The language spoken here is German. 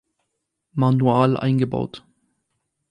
Manual eingebaut.